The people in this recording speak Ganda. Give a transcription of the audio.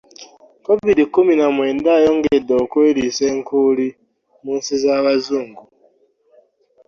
Covid kuminamwenda gyongedde okweriisa enkuuli mu nsi zabazungu.